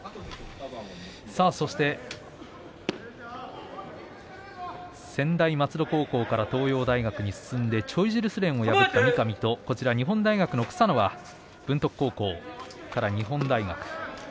そして専大松戸高校から東洋大学に進んでチョイジルスレンを破った三上と日本大学の草野は文徳高校から日本大学。